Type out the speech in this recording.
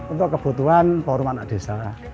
untuk kebutuhan forum anak desa